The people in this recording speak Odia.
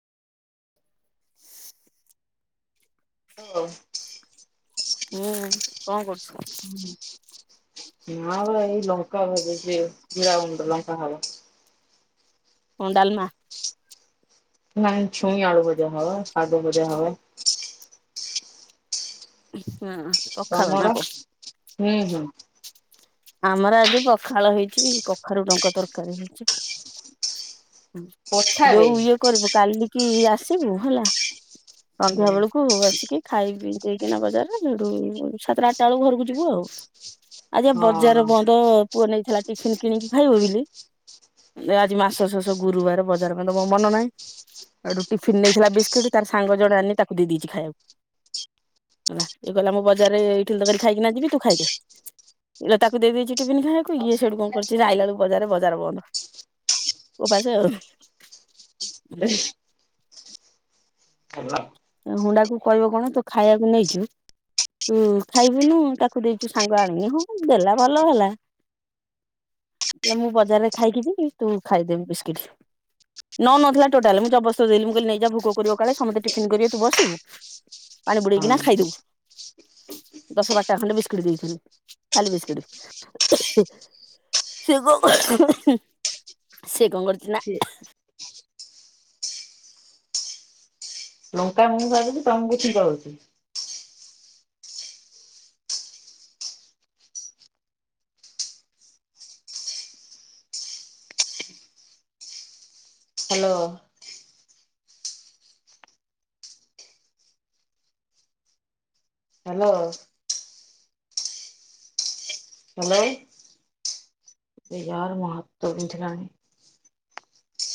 ହଉ [inaudible] ହୁଁ କଣ କରୁଛୁ? ହଁ ନା ଲୋ ଏଇ ଲଙ୍କା ଭାଜୁଚି ଜିରା ଗୁଣ୍ଡ ଲଙ୍କା ହବ। କ ଡାଲମା? ନାଇଁ ଛୁଇଁ ଆଡୁ ଭଜା ହବ ସାଗ ଭଜା ହବ। ହୁଁ। ତମର? ହୁଁ ହୁଁ। ଆମର ଆଜି ପଖାଳ ହେଇଚି, କଖାରୁ ଡଙ୍କ ତରକାରୀ ହେଇଚି। ପଠା ବେ ଯୋଉ ହଁ। ଇଏ କରିବୁ କାଲିକି ଆସିବୁ ହେଲା। ସନ୍ଧ୍ୟା ଭଲ। ବେଳକୁ ଆସିକି ଖାଇ ପି ଦେଇକିନା ବଜାର ଠୁ ସାତଟା ଆଠଟା ବେଳକୁ ଘରକୁ ଯିବୁ ଆଉ। ଆଯିବା ବଜାର ହଁ ବନ୍ଦ। ପୁଅ ନେଇଥିଲା ଟିଫିନ କିଣିକି ଖାଇବ ବୋଲି ଆଜି ମାସ ଶେଷ ଗୁରୁବାର ବଜାର କରନ୍ତୁ ମୋ ମନ ନାହିଁ। ହେଟୁ ଟିଫନ୍ ନେଇଥିଲା ବିସ୍କିଟ ତାର ସାଙ୍ଗ ଜଣେ ଆନି ତାକୁ ଦେଇଛି ଖାଇବାକୁ। ହେଲା ଇଏ କହିଲ ମୁଁ ବଜାରରେ ଇଠ ତରକାରୀ ଖାଇକି ଯିବି ତୁ ଖାଇଦେ। ଇଲୋ ତାକୁ ଦେଇ ଦେଇଚି ଟିଫିନ ଖାଇବାକୁ ଇଏ ସେଇଠୁ କଣ କରୁଛି ନା ଆଇଲାଳୁ ବଜାରରେ ବଜାର ବନ୍ଦ। ଓପାସେ ଆଉ। ହ। [unintelligible] ହୁଣ୍ଡା କୁ କହିବ କଣ ତୁ ଖାଇବାକୁ ନେଇଚୁ ତୁ ଖାଇବୁନୁ ତାକୁ ଦେଇଛୁ ସାଙ୍ଗ ଆଣିନି। ହଁ ଦେଲା ଭଲ ହେଲା। କଇଲା ମୁଁ ବଜାରରେ ଖାଇକି ଯିବି ତୁ ଖାଇଦେ ବିସ୍କିଟ। ନଉନଥିଲା ଟୋଟାଲ ମୁଁ ଜବଦସ୍ତ ଦେଲି ମୁଁ କଲି ନେଇଯା ଭୋଗ କରିବ କାଳେ ସମସ୍ତେ ଟି ଫିନ୍ କରିବେ ତୁ ବସିବୁ। ପାଣି ବୁଡେଇକିନା ଖାଇଦବୁ। ଦଶ ବାରଟା ଖଣ୍ଡେ ବିସ୍କିଟ ଦେଇଥିଲି ଖାଲି ବିସ୍କିଟ। ସେ କଣ [inaudible] ସେ କଣ କରୁଚି ନା ସେ ଲଙ୍କା ମୁଁ ଭାଜୁଚି ତମକୁ ଛିଙ୍କ ହଉଚି? ହ୍ୟାଲୋ। ହ୍ୟାଲୋ ହେଲୋ ଆରେ ୟାର ମୋ ହାତ ବିନ୍ଧିଲାଣି।